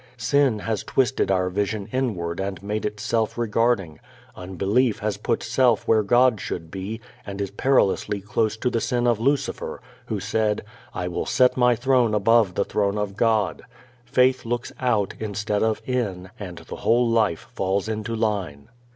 Sin has twisted our vision inward and made it self regarding. Unbelief has put self where God should be, and is perilously close to the sin of Lucifer who said, "I will set my throne above the throne of God." Faith looks out instead of in and the whole life falls into line.